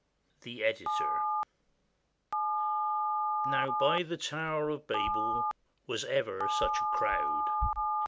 The Editor.] Now, by the Tower of Babel, Was ever such a crowd?